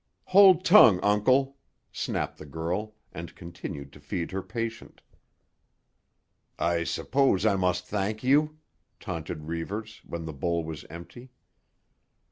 "Hold tongue, Uncle," snapped the girl, and continued to feed her patient. "I suppose I must thank you?" taunted Reivers, when the bowl was empty.